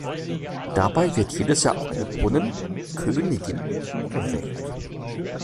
Dabei wird jedes Jahr auch eine Brunnen-"Königin" gewählt.